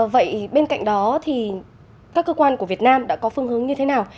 vậy bên cạnh đó thì các cơ quan của việt nam đã có phương hướng như thế nào